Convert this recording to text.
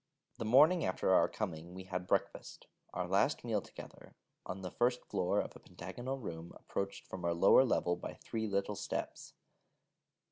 The morning after our coming, we had breakfast our last meal together on the first floor in a pentagonal room approached from a lower level by three little steps.